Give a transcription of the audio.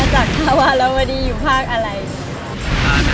ที่เดี๋ยวว่าใต้เนี่ยหนูจะฟอกว่าหรือไม่ใช่